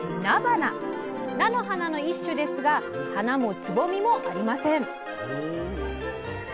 菜の花の一種ですが花もつぼみもありません。